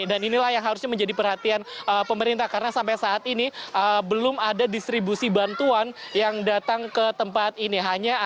dan inilah yang harusnya menjadi perhatian pemerintah karena sampai saat ini belum ada distribusi bantuan yang datang ke tempat ini